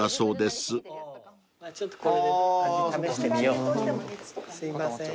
すいません。